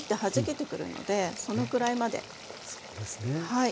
はい。